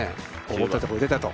思ったとこに出たと。